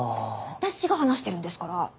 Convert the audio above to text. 私が話してるんですから。